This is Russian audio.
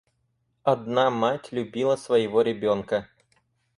Одна мать любила своего ребенка.